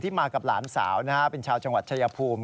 มากับหลานสาวเป็นชาวจังหวัดชายภูมิ